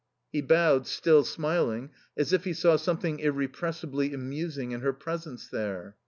He bowed, still smiling, as if he saw something irrepressibly amusing in her presence there.